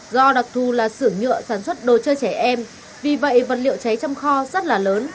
do đặc thù là xưởng nhựa sản xuất đồ chơi trẻ em vì vậy vật liệu cháy trong kho rất là lớn